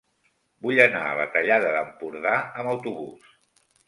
Vull anar a la Tallada d'Empordà amb autobús.